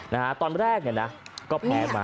นะฮะตอนแรกเนี่ยนะก็แพ้มา